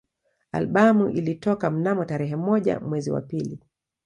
Albamu ilitoka mnamo tarehe moja mwezi wa pili